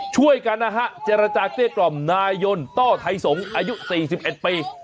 ช่วยกันนะฮะเจรจาเกลี้ยกล่อมนายยนต้อไทยสงฆ์อายุ๔๑ปี